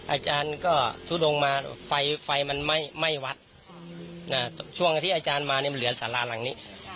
อาจารย์ก็ทุดงมาไฟมันไหม้วัดช่วงที่อาจารย์มาเนี่ยมันเหลือสาราหลังนี้